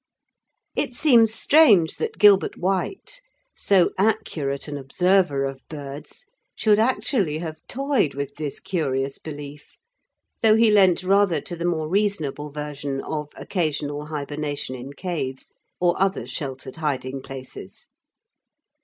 It seems strange that Gilbert White, so accurate an observer of birds, should actually have toyed with this curious belief, though he leant rather to the more reasonable version of occasional hybernation in caves or other sheltered hiding places.